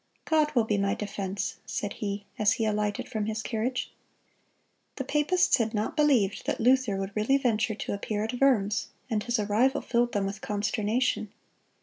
"God will be my defense," said he, as he alighted from his carriage. The papists had not believed that Luther would really venture to appear at Worms, and his arrival filled them with consternation.